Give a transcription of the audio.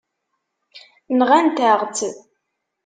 Nɣant-aɣ-tt.